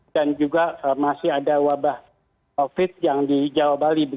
juga masih ada wabah covid yang di jawa bali